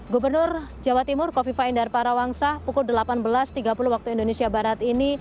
gubernur jawa timur kofifa indar parawangsah pukul delapan belas tiga puluh waktu indonesia barat ini